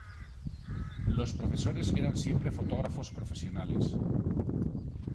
Los profesores eran siempre fotógrafos profesionales.